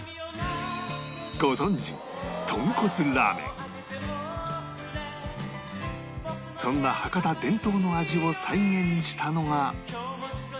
ご存じそんな博多伝統の味を再現したのが